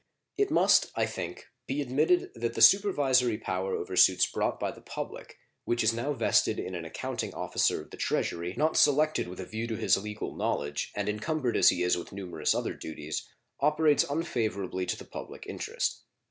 It must, I think, be admitted that the supervisory power over suits brought by the public, which is now vested in an accounting officer of the Treasury, not selected with a view to his legal knowledge, and encumbered as he is with numerous other duties, operates unfavorably to the public interest.